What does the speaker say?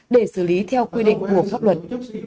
để xử lý theo quy định của pháp luật